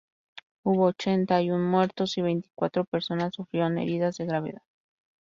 Hubo ochenta y un muertos y veinticuatro personas sufrieron heridas de gravedad.